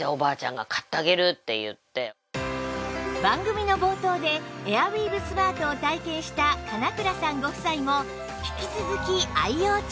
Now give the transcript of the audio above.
番組の冒頭でエアウィーヴスマートを体験した神永倉さんご夫妻も引き続き愛用中